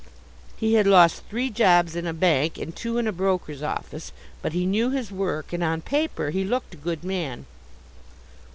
He had lost three jobs in a bank and two in a broker's office, but he knew his work, and on paper he looked a good man.